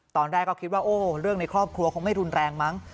ตอนแรกก็คิดว่าโอ้เรื่องในครอบครัวคงไม่รุนแรงมั้ง